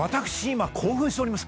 今興奮しております！